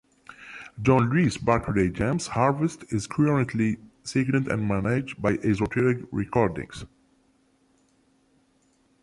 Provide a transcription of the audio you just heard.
John Lees' Barclay James Harvest is currently signed and managed by Esoteric Recordings.